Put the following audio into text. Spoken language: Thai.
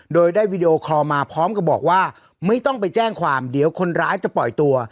โดยได้วีดีโอคอลมาพร้อมกับบอกว่าไม่ต้องไปแจ้งความเดี๋ยวคนร้ายจะปล่อยตัว